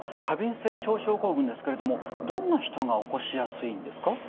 過敏性腸症候群ですけれどもどんな人が起こしやすいんですか？